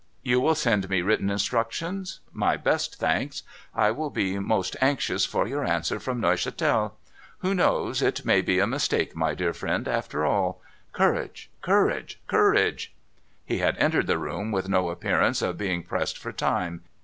You will send me written instructions? My best thanks. I shall be most anxious for your answer from Neuchatel. Who knows ? It may be a mistake, my dear friend, after all. Courage ! courage ! courage !* He had entered the room with no appearance of being pressed for time.